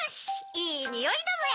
いいにおいだぜ！